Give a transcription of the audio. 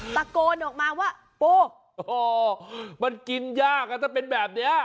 ตะโกนออกมาว่าปูมันกินยากถ้าเป็นแบบนี้